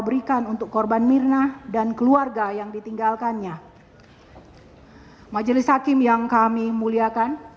berikan untuk korban mirna dan keluarga yang ditinggalkannya majelis hakim yang kami muliakan